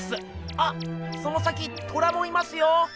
あその先トラもいますよ。